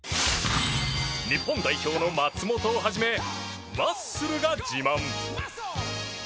日本代表の松元を始めマッスルが自慢。